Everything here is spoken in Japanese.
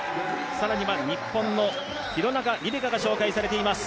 更には日本の廣中璃梨佳が紹介されています。